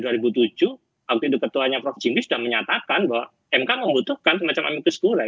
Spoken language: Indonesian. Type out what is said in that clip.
waktu itu ketuanya prof jimbi sudah menyatakan bahwa mk membutuhkan semacam amitos gulai